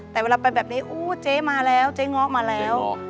แต่เวลาไปแบบนี้อู้เจ๊มาแล้วเจ๊ง้อมาแล้ว